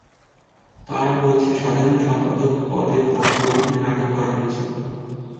তারা বলছে, সাধারণ সম্পাদক পদে ভোট গ্রহণ নিয়ে নাটক করা হয়েছে।